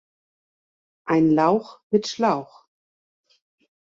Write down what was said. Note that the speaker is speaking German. Ein Lauch mit Schlauch.